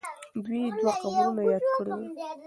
دوی دوه قبرونه یاد کړي وو.